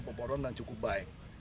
pemporongan cukup baik